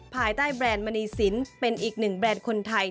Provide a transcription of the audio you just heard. ภายใต้แบรนด์มณีสินเป็นอีกหนึ่งแบรนด์คนไทย